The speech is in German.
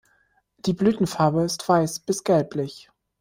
Die Blütenfarbe ist weiß bis gelblich.